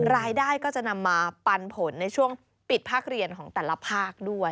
รายได้ก็จะนำมาปันผลในช่วงปิดภาคเรียนของแต่ละภาคด้วย